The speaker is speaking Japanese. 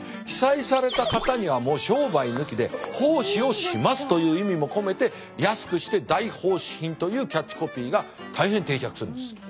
被災された方にはもう商売抜きで奉仕をしますという意味も込めて安くして大奉仕品というキャッチコピーが大変定着するんです。